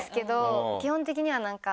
基本的にはなんか。